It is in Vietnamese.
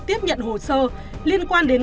tiếp nhận hồ sơ liên quan đến